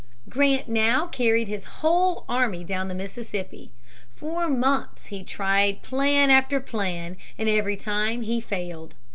Grant now carried his whole army down the Mississippi. For months he tried plan after plan, and every time he failed.